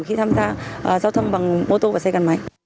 khi tham gia giao thông bằng ô tô và xe gắn máy